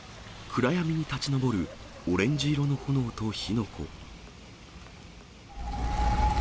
暗闇に立ち上るオレンジ色の炎と火の粉。